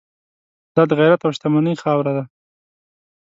دا د غیرت او شتمنۍ خاوره ده.